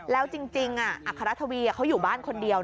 แล้วจริงอัครทวีเขาอยู่บ้านคนเดียว